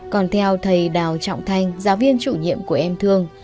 còn theo thầy đào trọng thanh giáo viên chủ nhiệm của em thương